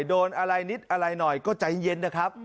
โดนอะไรนิดอะไรหน่อยก็ใจเย็นนะครับ